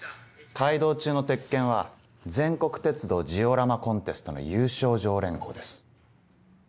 海堂中の鉄研は全国鉄道ジオラマコンテストの優勝常連校です。